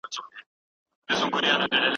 تاسو باید د مقالي لپاره یو ښه فهرست جوړ کړئ.